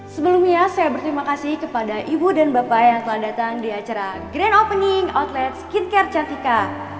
sebelumnya saya berterima kasih kepada ibu dan bapak yang telah datang di acara grand opening outlet skit care cantika